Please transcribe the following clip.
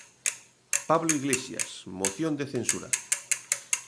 Pablo Iglesias, moción de censura.